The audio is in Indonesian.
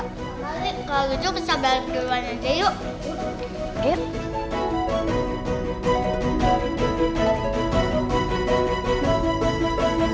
mari kalau gitu kita balik duluan aja yuk